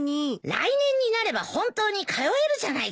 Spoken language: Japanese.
来年になれば本当に通えるじゃないか。